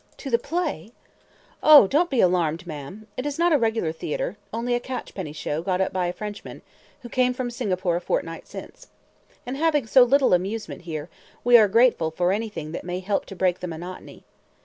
"To the play!" "O, don't be alarmed, ma'm! It's not a regular theatre; only a catchpenny show, got up by a Frenchman, who came from Singapore a fortnight since. And having so little amusement here, we are grateful for anything that may help to break the monotony.